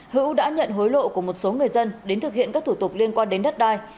hữu đã nhận hối lộ của một số người dân đến thực hiện các thủ tục liên quan đến đất đai